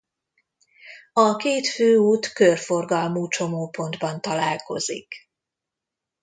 A két főút körforgalmú csomópontban találkozik.